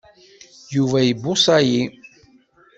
Yuba ibuṣa-yi.